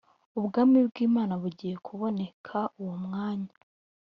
ubwami bw imana bugiye kuboneka uwo mwanya